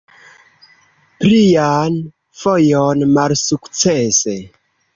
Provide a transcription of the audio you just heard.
Plian fojon malsukcese.